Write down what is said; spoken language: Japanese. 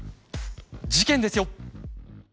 事件ですよ。